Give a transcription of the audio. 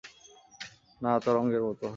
না, তরঙ্গের মতো।